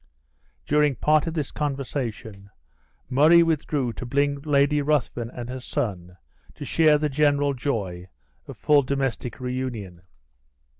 During part of this conversation, Murray withdrew to bring Lady Ruthven and her son to share the general joy of full domestic reunion.